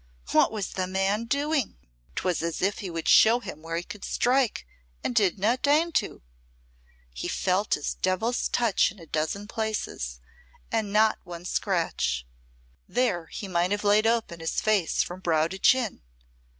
What was the man doing? 'Twas as if he would show him where he could strike and did not deign to. He felt his devil's touch in a dozen places, and not one scratch. There he might have laid open his face from brow to chin!